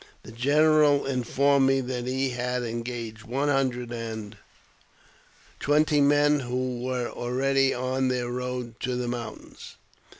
The general informed me that he had engaged one hundred and twenty men, who were already on their road to the mountains.